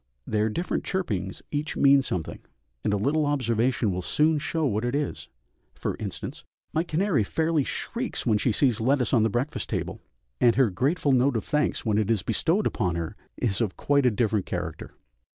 Their different chirpings each mean something, and a little observation will soon show what it is; for instance, my canary fairly shrieks when she sees lettuce on the breakfast table, and her grateful note of thanks when it is bestowed upon her is of quite a different character.